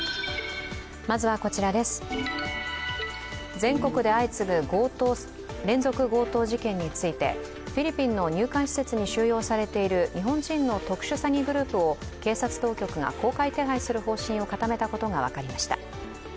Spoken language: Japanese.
全国で相次ぐ連続強盗事件についてフィリピンの入管施設に収容されている日本人の特殊詐欺グループを警察当局が公開手配する方針を固めたことが分かりました。